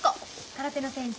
空手の先生。